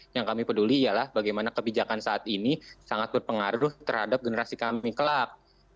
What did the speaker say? yang kami peduli ialah bagaimana kebijakan saat ini sangat berpengaruh terhadap generasi kami kelab